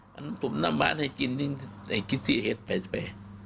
มันตุ๋มน้ำบั้้าให้กีนในหิดเห็นป่ะ